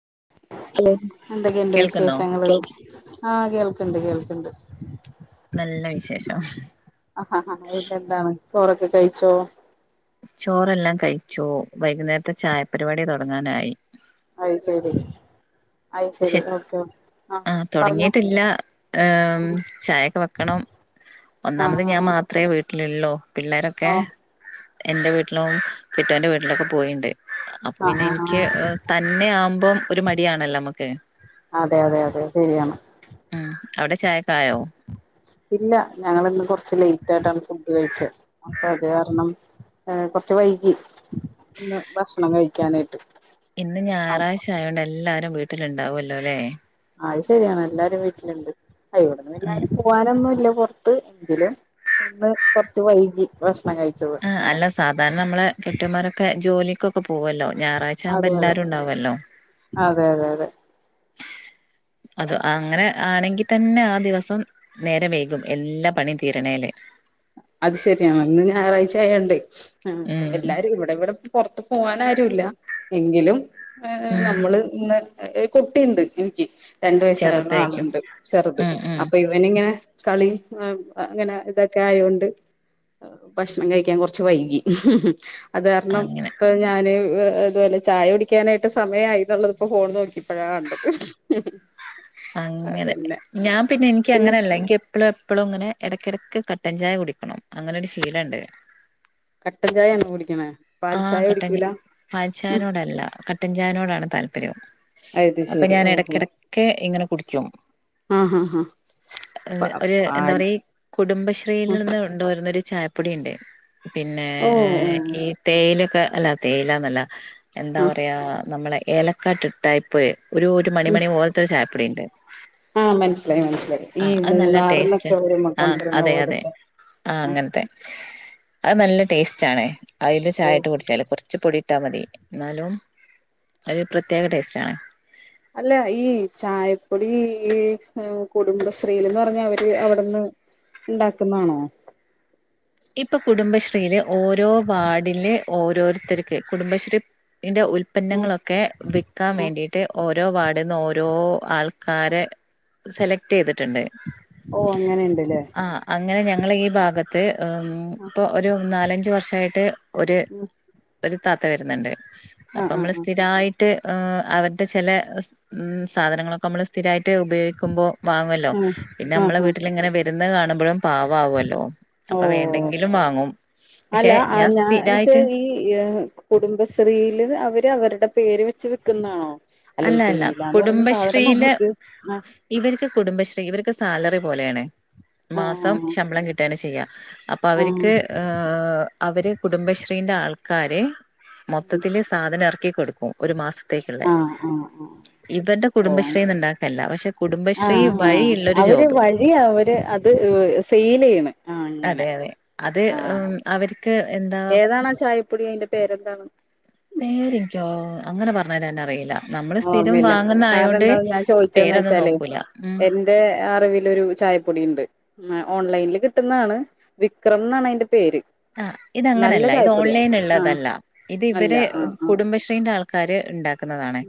[unintelligible] എന്തൊക്കെ ഉണ്ട് കേൾക്കുന്നോ വിശേഷങ്ങള് ആഹ് കേൾക്ക്ണ്ട് കേൾക്ക്ണ്ട് നല്ല വിശേഷം ആഹ് ആഹ് പിന്നെന്താണ് ചോറൊക്കെ കഴിച്ചോ ചോറെ എല്ലാം കഴിച്ചു വൈകുന്നേരത്തെ ചായപരിപാടി തുടങ്ങാനായി അയി ശരി അയ് ശരി ഓക്കെ ആഹ് ആ പറഞ്ഞോ തുടങ്ങിട്ടില്ല ഏ ചായക്കെ വെക്കണം ആഹ് ഒന്നാമത് ഞാൻ ആഹ് ആഹ് മാത്രമേ വീട്ടിലുള്ളൂ പിള്ളേരൊക്കെ ഓഹ് എന്റ വീട്ടിലും കെട്ടിയോന്റെ വീട്ടിലൊക്കെ പോയിണ്ട് അപ്പൊ പിന്നെ ആഹ് ആഹ് എനിക്ക് ആഹ് തന്നെ ആവുമ്പം ഒരു മടിയാണല്ലമ്മ ക്കേ അതെ അതെ അതെ ശരിയാണ് ഉം അവിടെ ചായേക്കായോ? ഇല്ല ഞങ്ങളിന്ന് കൊറച്ച് ലേറ്റായിട്ടാണ് ഫുഡ് കഴിച്ച അപ്പൊ അത് കാരണം ഏഹ് കൊറച്ച് വൈകി ഇന്ന് ഭക്ഷണം കഴിക്കാനായിട്ട് ഇന്ന് അപ്പൊ ഞായറാഴ്ച ആയോണ്ട് എല്ലാരും വീട്ടില് ഇണ്ടാവുല്ലോല്ലേ അത് ശരിയാണ് എല്ലാരും വീട്ടില്ണ്ട് ആ ഇവിട്ന്ന് ഉം എല്ലാരും പോവാനൊന്നും ഇല്ല പൊറത്ത് എങ്കിലും ഇന്ന് കൊറച്ച് വൈകി ഭക്ഷ് ആ അല്ല സാധാരണ നമ്മളെ കെട്ടിയോൻമാരൊക്കെ ജോലിക്കൊക്ക പോ പോവല്ലോ ഞായറാഴ്ച ആവുമ്പ അതെ അതെ എല്ലാരും ഉണ്ടാവുവല്ലോ അതെ അതെ അതെ അതാ ആ അങ്ങനെ ആണെങ്കി തന്നെ ആ ദിവസം നേരെ വൈകും എല്ലാ പണിയും തീരണേല് അത് ശരിയാണ് ഇന്ന് ഞായറാഴ്ച ആയോണ്ടേ ഉം എല്ലാരും ഇവിടെവിട പൊറത്ത് പോവാനാരുല്ല എങ്കിലും ഏഹ് ഏഹ് ഉം നമ്മള് ഇന്ന് എ എ കുട്ടിയിണ്ട് എനിക്ക് രണ്ടു വയസ്സായുള്ള ചെറുതായിരിക്കും ആളുണ്ട് ചെറുത് ഉം ഉം അപ്പൊ ഇവനിങ്ങനെ കളി മ്മ് ആ അങ്ങനെ ഇതൊക്കെ ആയോണ്ട് ഏഹ് ഭക്ഷണം കഴിക്കാൻ കൊറച്ച് വൈകി അത് കാരണം അങ്ങനെ ഇപ്പൊ ഞാന് ഉം ഇതുപോലെ ചായ കുടിക്കാനായിട്ട് സമയായിന്നുള്ളത് ഇപ്പോ ഫോൺ നോക്കിപ്പഴാ കണ്ടത്. അങ്ങനെ അതന്നെ ഞാൻ പിന്നെ എനിക്ക് അങ്ങനല്ല എനിക്ക് എപ്പളും പ്പളും ഇങ്ങനെ എടക്കിടയ്ക്ക് കട്ടൻ ചായ കുടിക്കണം അങ്ങനെ ഒരു ശീലണ്ട് കട്ടൻ ചായാണോ കുടിക്കണേ പാൽ ആ ചായ കുടിക്കൂലാ, ഉം കെട്ടൻ ചായേനോടാണ് താല്പര്യം. അപ്പൊ ശെരി ഞാൻ ഓഹോ എടക്കിടക്കെ കുടിക്കും ആഹ് ആഹ് ആഹ് പ ഏഹ് ഒര് എന്താ പാൽ പറയി കുടുംബശ്രീയിൽ ഉം നിന്ന് കൊണ്ട് വെരു ന്നൊരു ചായപ്പൊടി ഇണ്ട്. പിന്നെ ഓഹ് ഓഹ് ഈ തേയിലൊക്കെ അല്ല തേയിലൊന്നല്ല എന്താ ആഹ് പറയാ നമ്മളെ ഏലക്കാട്ട് ടൈപ്പ് ഒരു ഒരു മണി മണി പോ ആ മനസ്സിലായി മനസ്സിലായി ആ ഈ അത് നല്ല ടേസ്റ്റ് മൂന്നാറിനൊക്കെ വരുമ്മ ആ കൊണ്ടിരുന്ന അതെ അതെ പോലത്തെ ആ അത് നല്ല ടേസ്റ്റ് ആണ് അതില് ചായിട്ട് ഓഹ് കുടിച്ചാല് കുറച്ച് പൊടി ട്ടാ മതി എന്നാലും ഒരു പ്രത്യേക ടേസ്റ്റ് ആണ് അല്ല ഈ ചായപ്പൊടി ഈ കുടുംബശ്രീൽന്ന് പറഞ്ഞ അവര് അവിടെന്ന് ഉണ്ടാക്കുന്നതാണോ ഇപ്പൊ കുടുംബശ്രീയില് ഓരോ വാടില് ഓരോരുത്തർക്ക് കുടുംബശ്രീ ന്റെ ഉൽപന്നങ്ങളൊക്കെ വിൽക്കാൻ വേണ്ടിയിട്ട് ഓരോ ഓരോ വാർഡിൽന്ന് ഓരോ ആൾക്കാരെ സെലക്ട് ചെയ്തിട്ടുണ്ട് ഓഹ് അങ്ങനെയുണ്ടല്ലേ ആ അങ്ങനെ ഞങ്ങളെ ഈ ഭാഗത്ത് ഇപ്പൊ ഒരു നാലഞ്ച് വർഷമായിട്ട് ഒരു ഒരു ത്താത്ത വരുന്നുണ്ട് അപ്പൊ ആഹ് നമ്മള് ആഹ് സ്ഥിരമായിട്ട് ട്ട് അവരുടെ ചില സാധനങ്ങളൊക്കെ നമ്മള് സ്ഥിരമായി ഉപയോഗിക്കുമ്പോ വാങ്ങല്ലോ ആഹ് പിന്നെ ആഹ് നമ്മളെ ആഹ് ആഹ് വീട്ടിലിങ്ങനെ വ എന്ന് കാണു എപ്പോഴും പാവാവുല്ലോ ഓ അല്ല ഞാൻ ഞാൻച്ചാ സ്ഥിരായിട്ട് ഈ കുടുംബശ്രീയില് അവര് അവരുടെ പേര് വെച്ച് വിൽക്കുന്നതാണോ അല്ല അല്ല കുടുംബശ്രീയില് നമുക്ക് ആ ഇവർക്ക് കുടുംബശ്രീ ഇവർക്ക് സാലറി പോലെയാണ് ആ മാസം ശമ്പളം കിട്ടുകാണ് ചെയ്യുക അപ്പൊ ആ അവർക്ക് അവര് കുടുംബശ്രീന്റെ ആൾക്കാര് മൊത്തത്തില് സാധനം ഇറക്ക ക്കികൊടുക്കും ഒരു മാസ ത്തെക്കുള്ളേ ആ ആ ആ ആ ഓ ഉണ്ടാക്കല്ല പക്ഷെ ആ കുടുംബശ്രീ ആ വഴിയുള്ളൊരു അവര് ജോബ് വഴി അവര് അത് സെൽ ചെയ്യണ് ആ അങ്ങനെ അതെ അതെ അത് ആ ഉം അവർക്ക് എന്താ ഏതാണ് ആ ചായപ്പൊടി അതിന്റെ പേരെന്താണ് പേരെനിക്കോ അങ്ങനെ പറഞ്ഞാലെ അറിയില്ല നമ്മള് സ്ഥിരം ഓർമ്മില്ല വാങ്ങുന്ന കാരണം ആയോണ്ട് എന്താ ഞാൻ ചോദിച്ചന്ന് പേരൊന്നും വെച്ചാല് നോക്കൂല ഉം എന്റെ അറിവി ചായപ്പൊടി ഉണ്ട് ഓൺലൈനിൽ കിട്ടുന്നതാണ് വിക്രം എന്നാണ് അതിന്റെ പേര് ആ നല്ല ഇതങ്ങനെയല്ല ഇത് ചായപ്പൊടിയാ ഓൺലൈൻ ആഹ് ഉള്ളതല്ല ഇത് അല്ല ഇവരെ ആഹ് ആഹ് കുടുംബശ്രീന്റെ ആൾക്കാ കാര് ഉണ്ടാക്കും ത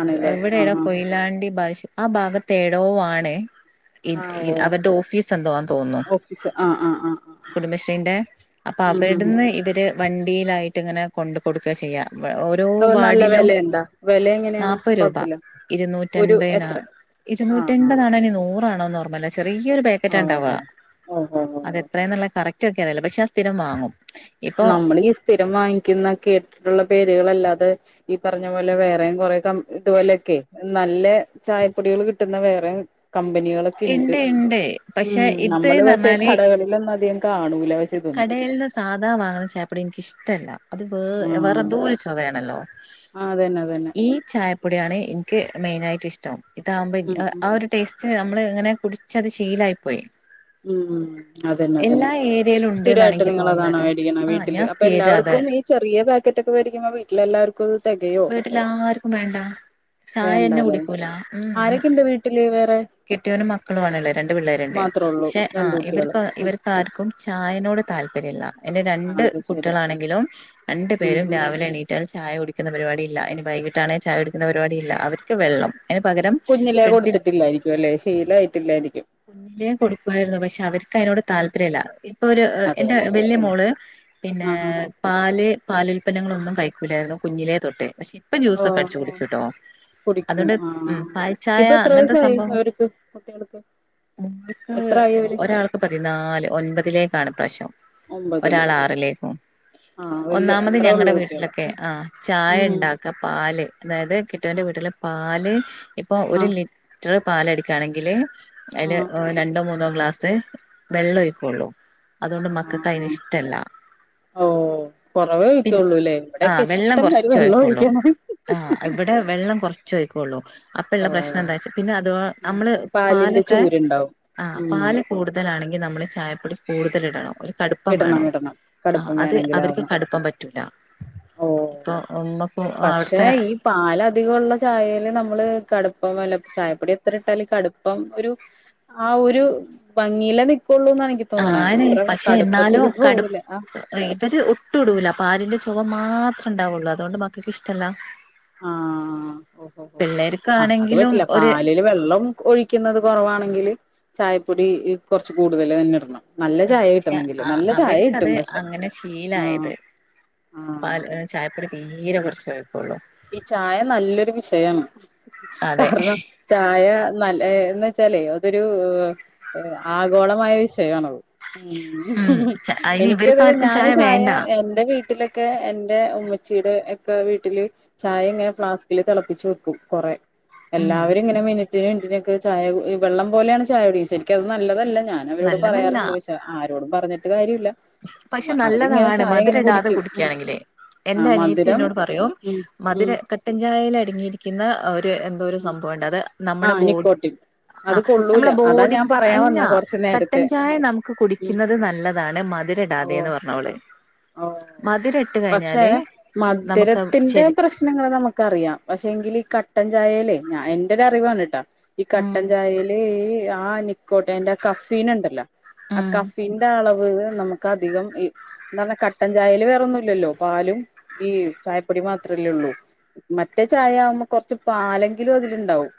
ആണല്ലേ എവിടെട ആഹ് ആഹ് കൊയിലാണ്ടി ബാ്യ ആ ഭാഗത്ത്േടോ ആണ ആഹ് ഓ അവരുടെ ഓഫീസ് എന്തോവാന്ന് തോന്നുന്നു ഓഫീസ് ആഹ് ആഹ് ആഹ് ആഹ് കുടുംബശ്രീന്റെ അപ്പൊ ഉം ഉം അവിടുന്ന് ഇവര് വണ്ടിയിലായിട്ട് ഇങ്ങനെ കൊണ്ട കൊടുക്കുക ചെയ്യാം ഓരോ ഉം നല്ല വാടിലും വെലയുണ്ടാ വെല എങ്ങനെയാണ് നാപ്പത് രൂപ കൊഴപ്പില്ല ഒരു എത്ര ഇരുന്നൂറ്റൻപതിനാണ് ആഹ് ആഹ് ഇരുന്നൂറ്റൻപതാണ നൂറാണോ ന ചെറിയൊരു ബാക്കറ്റ് ഉണ്ടാവുക ഓ ഓ ഓ ഓ അതെത്രന്നുള്ള കറക് ക്കാന പക്ഷെ സ്ഥിരം വാങ്ങും ഇപ്പൊ നമ്മൾ ഈ സ്ഥിരം വാങ്ങിക്കുന്നൊ കേെ കേട്ടിട്ടുള്ള പേരുകളല്ല അത് ഈ പറഞ്ഞ പോലെ വേറെ കൊറെ ക ഇതുപോലെയൊക്കെ നല്ല ചായപ്പൊടികൾ കിട്ടുന്ന വേറെ കമ്പനികളൊക്കെ ഉണ്ട് ഇണ്ട് ഇണ്ട് ഉ പക്ഷെ നമ്മള് പക്ഷെ കടകളിൽൊന്നും അധികം കാണൂ കടയിൽന്ന് സാധാരണ വാങ്ങുന്ന ചേപ്പട എനിക്ക ഇഷ്ടമല്ല അത് വേ വേറെ എന്തോ ഒരു ചവയാണല്ലോ ആ അതന്നെ അതന്നെ പ്പടെയാണ് എനിക്ക് മെയിന ആായിട്ട് ഇഷ്ടം ഇത്ാുമ്പ ഉം ഉം ആ ഒരു ടേസ്റ്റ് നമ്മള് ഇങ്ങനെ കുടിച്ചത് ശീലായി പോയി ഉം അതന്നെ അതന്നെ എല്ലാ ഏരിയയിലും ഉണ്ട്ന്നാണ് സ്ഥിരമായിട്ട് എനിക്ക് തോന്നുന്നത് നിങ്ങളതാണ് ട്ടോ മേടിക്കണം ആ വീട്ടില് ഞാൻ അപ്പൊ സ്ഥിരം അതാ എല്ലാവർക്കും ഈ ചെറിയ പാക്കറ്റ ഒക്കെ മേടിക്കുമ്പോ വീട്ടിലെല്ല ർക്ക വീട്ടിൽ ആർക്കും വേണ്ട ചായ എന്നന്നെ വേണ്ടല്ലേ കുടിക്കൂല ഉ ആരൊക്കെണ്ട് വീട്ടില് വേറെ കെട്ടിയോനും മക്കൾ വേണല്ലോ രണ്ട് പിള്ളേരു ഉണ്ടായി മാത്രേ ഉള്ളൂ പക്ഷെ ആ രണ്ട് കുട്ടികള് ഇവർക്ക് ഉം ഇവർക്കാർക്കും ചായനോട് താല്പര്യല്ല എന്റെ ആഹ് രണ്ട് അത് ശരി കുട്ടികളാണെങ്കിലും രണ്ടു ഉം പേരും ഉം രാവിലെ എണീറ്റാൽ ചായ കുടി പുന്ന പരിപാടി ഇല്ല ഇനി വൈകട്ടാണെിൽ ചായെടുന്ന പരിപാടില്ല അവർക്ക് വെള്ളം അതിന് പകരം കുഞ്ഞിലേ ഫ്രിഡ്ജിൽ കൊടുത്തിട്ടില്ലായിരിക്കും അല്ലെ ശീലായിട്ടില്ലായിരിക്കും കുഞ്ഞിലേ കൊടുക്കുയിരുന്നു പക്ഷെ അവർക്ക് അതിനോട് ഉം താല്പര്യല്ല ഇപ്പൊ ഒരു എന്റെ അതെല്ലേ വലിയ ഉം മോള് പിന്നെ ആഹാ പാല് പാൽ ഉൽപന്നങ്ങളൊന്നും കഴിക്കൂലായിരുന്നു കുഞ്ഞിലെ തൊട്ടെ പക്ഷെ ഇപ്പൊ ജ്യൂസൊക്കെ ഓഹ് അടിച്ചു കുടിക്ക ഓഹ് കേട്ടോ കുടിക്കും അതുകൊണ്ട് ഉ ആഹ് പാൽച്ചായ ഇപ്പൊ എത്ര അങ്ങനത്തെ വയസായി സംഭവംക്ക് അവർക്ക് കുട്ടികൾക്ക് എത്രായി അവര് ഒരാൾക്ക് പതിനാല് ഒൻപതിലേ താണ് പ്രാശ്യം ഒമ്പതില് ഒരാൾ ഓ ആറിലേക്കും ആഹ് വല്യ ഒന്നാമത് അത്രേ ഞങ്ങളടെ ഉള്ളൂ കുട്ടികള് വീട്ടിലൊക്കെ ആ ചായ ഉം ഉണ്ടാക്കപ്പ പാല് അതായത് കിട്ടുവിന്റെ ആഹ് വീട്ടിലെ പാല് ഇപ്പൊ ഒരു ആഹ് ലി റ്റെരു പാല് എടുക്കയാണെങ്കില് അതില് ഓ രണ്ടോ മൂന്നോ ഗ്ലാസ്‌ മം മക്കൾക്ക് അതിന് ഹഹഹ ഇഷ്ടല്ല ഓ കൊറവേ ഒഴിക്കുള്ളൂല്ലേ ഇവിടൊക്കെ ഇഷ്ടം വാലി ചോയ്ക്കോളൂ ആ ഇവിടെ വെ വെള്ളം കുറച്ചോയിക്കോള്ളൂ അപ്പള്ള ഓ പ്രശ്നം എന്താ വച്ച പിന്നെ അത് ആഹ് നമ്മള് പാലിന്റെ പാലൊക്കെ ചൂരുണ്ടാവും ആ ഉം പാല് കൂടുതലാണെങ്കി നമ്മള് ചായപ്പൊടി കൂടുതൽ ഇടണം ഒരു കടുപ്പം ഇടണം വേണോ ഇടണം ആ കടുപ്പം അത് അവർക്ക് വേണെങ്കിലാവണം കടുപ്പം പറ്റൂല ഓ ഒ ഒ ഇമ്മ പക്ഷെ ഈ പാലധികുള്ള ചായെല് നമ്മള് കട [unintelligible] ചായപ്പൊടി എത്ര ഇട്ടാലും കടുപ്പം ഒരു ആ ഒരു ഭംഗയില നി ആണ് പക്ഷെ എന്നാലും കടു പോവൂല ആഹ് ഇവര് ഒട്ടു ഇടൂല പാലിന്റെ ച്ചു ചുഖം മാത്രം ഉണ്ടാവുള്ളൂ അതുകൊണ്ട് മക്കൾക്ക് ഇഷ്ടമല്ല ആഹ ഓ ഓ ആ അത് പിള്ളേർക്കാണെങ്കിലും പറ്റില്ല ഒരു പാലില് വെള്ളം ഒഴിക്കുന്നത് കുറവാണെങ്കില് ചായപ്പൊടി കുറച്ച് കൂടുതൽ തന്നെ ഇടണം നല്ല ആ ചായ പക്ഷെ കിട്ടണമെങ്കില് ആ നല്ല ചായ കിട്ടും അവർക്കത് പക്ഷെ അങ്ങനെ ശീലായത് ആഹ് പാൽ ആഹ് ചായപ്പൊടി തീരെ കുറച്ച് [unintelligible] ഈ ചായ നല്ലൊരു വിഷയം അതെ കാരണം ചായ നല്ല ഏ ന്നെവെച്ചാലേ അതൊരു ആഗോളമായ വി ഷയമാണത് ആ ഹും ഉം അയിന് മംഎനിക്ക് അതില് ഇവർക്കാർക്കും ഞാന് ചായ വേണ്ട എന്റെ വീട്ടിലൊക്കെ എന്റെ ഉമ്മ ച്ചിയുടെ ഒക്കെ വീട്ടില് ചായ എങ്ങനെ ഫ്ലാസ്കില് തിളപ്പിച്ചു വെക്കും കൊറേ ഉം എല്ലാവരും ഇങ്ങനെ മി റ്റിന് മിൻ്റിനൊക്കെ ചായ ഈ വെള്ളം പോലെയാണ് ചായ കുടിക്ക ശരിക്കത് നല്ലതല്ല ഞാൻ അവരോട് നല്ലതല്ല പറയാറുണ്ട് പക്ഷെ ആരോടും പറഞ്ഞി ഒരുകാര്യുല്ല പക്ഷെ നല്ലതാണ് മധുര ഇടാതെ കുടിക്കും ഉം കുടിക്കയാണെങ്കില് ആ എന്റെ അനിയത്തി മധുരം എന്നോട് പറയും ഉം മധുര ഉം കട്ടൻചായേൽകട്ടൻചായേൽ അ ടങ്ങിയിരിക്കുന്ന ആ ഒരു ന്തോരു സംഭവണ്ട് അത് ആ നമ്മുടെ നിക്കോട്ടിൻ ബോആ അത് കൊള്ളൂല നമ്മടെ അതാ ബോഡി ഞാൻ പറയാൻ അല്ല വന്ന കൊറച്ചു കട്ടൻ നേരത്തെ ആ ചായ നമുക്ക് ഉം കുടിക്കുന്നത് നല്ലതാണ് മ ഓ ഇടാതെന്ന് പറഞ്ഞോളെ ഓ പക്ഷേ നമുക്ക് മധുരത്തിന്റെ ശരി പ്രശ്നങ്ങൾ നമുക്ക് അറിയാം പക്ഷെ എങ്കിൽ ഈ ക കട്ടൻചായേല് ഞാ എന്റെ ഒരു അറിവാണാട്ടോ ഈ ഉം കട്ടൻ ചായേല് ആഹ് നിക്കോട്ടെ ന്റെ കഫീൻ ഇണ്ടല്ലോ ആ ഉം കഫീന്റെ അളവ് വ് നമുക്ക് അധികം എന്ത കട്ടൻ ചായേൽ വേറൊന്നുല്ലല്ലോ പാലും ഈ ചായപ്പൊടി മാത്രല്ലേ ഉള്ളൂ മറ്റേ ചായ ആകുമ്പോൾ കൊറച്ച് പാലെങ്കിലും അതില്ണ്ടാവും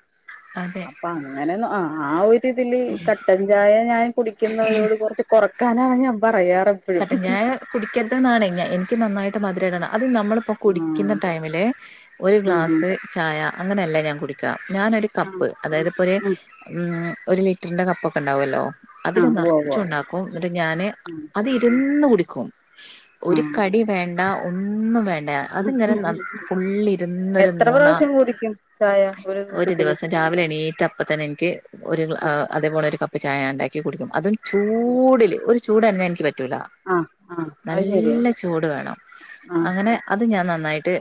അതെ അപ്പൊ അങ്ങനെ ആ ആ ഒര് ഇതില് കട്ടൻ ചായ ഞാൻ കുടിക്കുന്നവരോട് കൊറച്ച് കൊറ കാനാണ് ഞാ പറയാ എപ്പഴും കുടിക്കെരുതെന്നാണ് ഞാൻ എനിക്ക് നന്നായിട്ട് മതിരിടണം അത് നമ്മളിപ്പോൾ കുടിക്കുന്ന ആഹ് ടൈമിൽ ഒരു ഉം ഉം ഗ്ലാസ് ചായ അങ്ങനെല്ല ഞാൻ കുടിക്കാ ഞാനൊരു ആഹ് കപ്പ് ഉം അതായത്പ്പോ ഒരു ഉം ഉം ഒരു ലിറ്ററിന്റെ കപ്പ് ഒക്കെ ഇണ്ടാവൊല്ലോ അതില് ആഹ് ഉവ്വ് ഉവ്വ് നെറച്ചും ണ്ടാക്കും ന്നിട്ട് ഞാന് ഉം അത് ഉം ഇരുന്ന് കുടിക്കും ഒരു ആഹ് കടി വേ ഒന്നും വേണ്ട അത്ങ്ങനെ ഉം ഫുുള്ള ഇരുന്നൊരു എത്ര മൂന്ന പ്രാവശ്യം കുടിക്കും ചായ ഒരു ദിവസത്തില് ദിവസം രാവിലെ എണീറ്റപ്പ തന്നെ എനിക്ക് ഒരു കുടിക്കും അതേപോലെ ഒരു കപ്പ് ചായ ഉണ്ടാക്ക ടുക്കും അതും ഉം ചൂടൽ ഒരു ചൂടാഞനിക്ക് ട ആഹ് ആഹ് അത് ശരിയാ നല്ല ചൂട് വേണം ആഹ് അങ്ങനെ അത് ഞാൻ നന്നായിട്ട്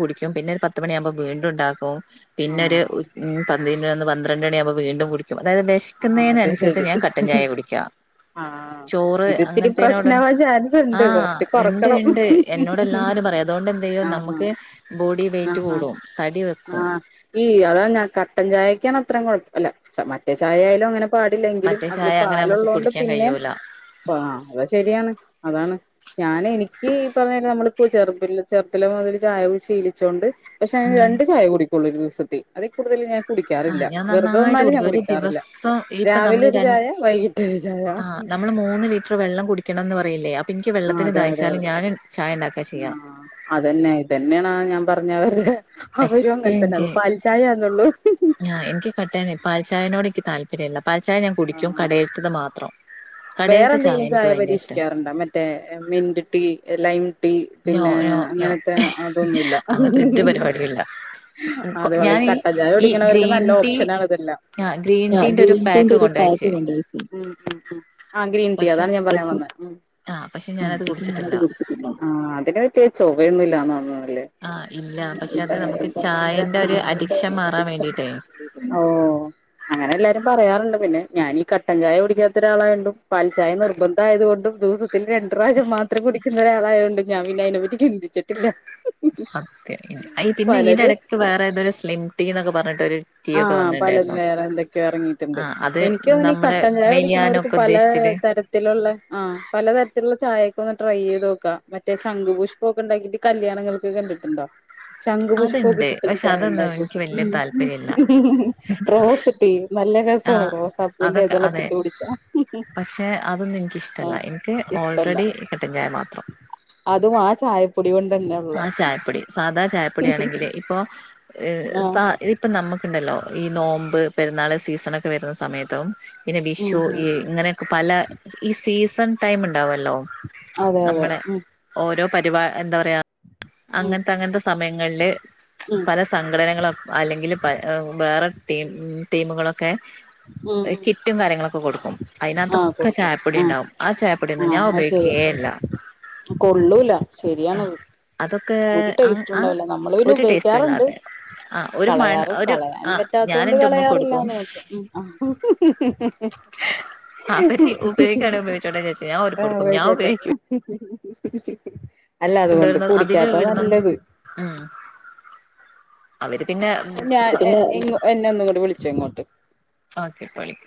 കുടിക്ക പിന്നെ പ മണിയാുമ്പോ വീണ്ട ഉണ്ടാക്കും പിന്നൊ ഒരു ആഹ് ഉ എന്ന് പന്ത്രണ്ട്ണി വീണ്ടും അതായത് ആഹ് അത് വിശിക്കുന്നതിനന്നുസരിച്ച് ശരി ഞാൻ കട്ടൻ ചായ കുടിക്കാം ആഹ് ചോറ് ഇതിത്തിരി അങ്ങനത്തേനോട് പ്രശ്നാവാൻ ചാൻസ് ഉണ്ട് ആഹ കൊറച്ച് ഉണ്ട് കൊറക്കണം ഉണ്ട് എന്നോട് എല്ലാരും പറയാം അതുകൊണ്ട് എന്ത് ചെയ്യോ ആഹ് നമുക്ക് ബോഡി വെറ്റ് ആഹ് കൂടും തടി വെക്കും പട്ടൻ ചായക്കാണ് അത്ര കുഴപ്പല്ല മറ്റ ചായാലും അങ്ങനെ പാടില്ലെങ്കിലും മറ്റേ അതില് ചായ അങ്ങനെ നമുക്ക് പാലള്ളത് കൊണ്ട് കുടിക്കാൻ പിന്നെ കഴിയൂല ആ അത ശരിയാണ് അതാണ് ഞാൻ എനിക്ക് ഈ പറഞ്ഞ നമ്മളിപ്പോ ചെറു ചെറുത്തി മുതല് ചായ ശീലിച്ചൊണ്ട് പക്ഷെ ഉം രണ്ട് ചായ കുടിക്കും തൊഴിൽ സി അതെ കൂടുതൽ ഞാ കുടിക്കാറില്ല ആഹ് ഞാൻ വെറുത നന്നായിട്ട് തന്നാലും ഞാ കുടിക്കും ഒരു കുിക്ക ദിവസം ഇപ്പം നമ്മൾ ര വൈകിട്ട് ഒരു ചായ ആ നമ്മൾ മൂന്ന് ലിറ്റർ വെള്ളം കുടിക്കണംന്ന് പറയാ അ ആ അതെ അതെ അതെ ഉണ്ടാക്കാ ആ ചെയ്യാ അതന്നെ ഇതന്നെയണ ഞാൻ പറഞ്ഞ പറ അവരും എപ്പ അങ്ങനെ തന്നെ എനിക്ക് അത് പാൽചായയാന്നള്ളൂ പിന്നല്ല പാച്ചായ ഞാൻ കുടിക്കും ആഹ് കടയിലൽത്തത് മാത്രം വേറെ കടയിലത്തെ എന്തെങ്കിലും എനിക്ക് ചായ ഭയങ്കര ഇഷ്ടാ പരീക്ഷിക്കാറുണ്ടോ മറ്റേ മിൻതിട്ടീ ലൈം ട്ട നോ പിന്നെ നോ നോ അങ്ങനത്തെ അതൊന്നല്ല അ അങ്ങനത്തെ ഒരു പരിപാടിയില്ല ഞാനീ ഈ കട്ടായടിക്കവർക്ക് ഗ്രീൻ നല്ല ടീ ഓപ്ഷനത ആ ഗ്രീൻ ടീന്റെ ഒരു പാക്ക് കൊണ്ടയച്ച് ആഹ ഗ്രീൻടീ പക്ഷെ അതാണ് ഞാ പറയാൻന്നത്ം ആ പക്ഷെ ഞാനത് കുടിച്ചിട്ടില്ല ആ അതിനെ പറ്റിയ ചൊവൊന്നുംല്ലന്ന് പറഞ്ഞ ആ ഇല്ല പക്ഷെ അത് നമുക്ക് ചായന്റെ ഒരു അഡിക്ഷൻ മാറാൻ വേണ്ടിട്ടേ ഓ അങ്ങനെ എല്ലാരും പറയാറുണ്ട് പിന്നെ ഞാനീ കട്ടൻ ചായ കുടിക്കാത്തൊരാളായകൊണ്ട് പാൽചായ, നിർബന്ധമായതു കൊണ്ടും, ദിവസം രണ്ടുപ്രാവശ്യം മാത്രേ കുടിക്ക കുടിക്കുന്നയൊരാളായ കൊണ്ട്, ഞാൻപിന്നെയതിനെപ്പറ്റി ചിന്തിച്ചിട്ടില്ല. സത്യം. അ.. പിന്നെ യിതിന്റെ പലര് ഇടക്ക് വേറെഏതൊരു സ്ലിംടി യെന്നൊക്കെപറഞ്ഞിട്ട്. ആ... പലതുവേറെയെന്തൊക്കയോ ഇറങ്ങിയിട്ടുണ്ട്. ആ അത് എനിക്കങ്ങനെ നമ്മള് കട്ടൻ ചായ കുടിക്കുന്നവർക്ക് മെലിയാനൊക്കെ ഉദ്ദേശിച്ചില് പലതരത്തിലുള്ള ആ.. പലതരത്തിലുള്ള ചായ ഇപ്പൊ ഒന്ന്ട്രൈചെയ്ത് നോക്കാം. മറ്റേ ശംഖുപുഷ്പമൊക്കെയുണ്ടാക്കിയിട്ട്, കല്യാണങ്ങൾക്ക് കണ്ടിട്ടുണ്ടോ ശംഖുപുഷ്പമൊക്കെ അതുണ്ട് ഇട്ടിട്ട് [unintelligible] പക്ഷെ ചായ അതൊന്നും ഒണ്ടാക്കും, എനിക്ക് മ് വലിയ മ് താല്പര്യമില്ല റോസ് ടീ നല്ല [unintelligible] ആ രസമാണ്, റോസാപ്പൂവിന്റെ അതൊക്കെ അതെ എതളൊക്കെയിട്ടു കുടിച്ചാൽ, ഹും ഹും പക്ഷെ അതൊന്നും ആ എനിക്കിഷ്ടല്ല എനിക്ക് ഇഷ്ടല്ല ഓൾറെഡി കട്ടൻ ചായ മാത്രം അതും ആ ചായപ്പൊ ആ ചായപ്പൊടി സാധാ ചായപ്പൊടിയാണെങ്കില് ഇപ്പോ ഏ സ ആഹ് ഇതിപ്പം നമ്മക്കുണ്ടല്ലോ ഈ നോമ്പ്, പെരുന്നാള് സീസണാക്കെ വരുന്ന സമയത്തോ പിന്നെ ഉം വിഷു, ഉം ഇ ഇങ്ങനെയൊക്കെ പല സ് ഈ സീസൺ ടൈം ഇണ്ടാവല്ലോ അതെയതെ മ് പരിപാ എന്താ പറയാ അങ്ങനത്തെ അങ്ങനത്തെ സ് സമയങ്ങളില് ഉം പല സംഘടനകളോക് അല്ലെങ്കില് പ വ് വേറെ ടീം ടീമുകളോ ഒക്കെ ഉം ഉം കിറ്റും കാര്യങ്ങളൊക്കെ കൊടുക്കും, ആഹ് അയിനാത്തൊക്കെ കൊടുക്കും ആഹ് ചായപ്പൊടിയുണ്ടാവും, ആ ചായപ്പൊടിയൊന്നും ആഹ് ഞാ അത് ഉപയോഗിക്കേ ഇല്ല, ശരിയാ കൊള്ളൂല ശരിയാണത് ആ അതൊക്കെ ഒരു ആ ആ ടേസ്റ്റുമുണ്ടാവില്ല, നമ്മള് പിന്നെ ഒരു ടേസ്റ്റും ഉപയോഗിക്കാറുണ്ട്, ഇല്ലാതെ ആ ഒരു മണ കളയാറ് ഒരു കളയാൻ ആ ഞാൻ പറ്റാത്തകൊണ്ട് എന്റെ ഉമ്മക്ക് കൊടുക്കും കളയാറില്ലാന്ന് മാത്രം, മ് ആ അവര് ഉപയോഗിക്കാണെ ഉപയോഗിച്ചോട്ടെ വിചാരിച്ച് ഞാൻ ഓര്ക്ക് എ കൊടുക്കും ഞാൻ ഉപയോഗിച്ചോട്ടെ. ഉപയോഗിക്കും ഹും.. ഹും... ഹ് അല്ല അതുകൊണ്ട് കുടി ഇതിലെ വരുന്നെന്ന് മ് ഞാൻ എ എങ്ങും എന്നെ ഒന്നു കൂടി വിളിച്ചോയിങ്ങോട്ട്. ഓക്കെ ഇപ്പ വിളിക്കാം